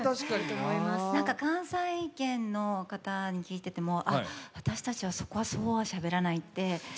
関西圏の方に聞いていても、私たちは、そこはそうはしゃべらないって。